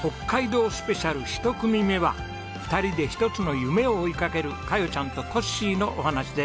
スペシャル１組目は２人で一つの夢を追いかけるカヨちゃんとトッシーのお話です。